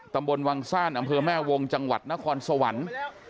ตำบลวังซ่านอำเภอแม่วงจังหวัดนครสวรรค์